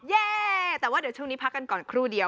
แย่แต่ว่าเดี๋ยวช่วงนี้พักกันก่อนครู่เดียว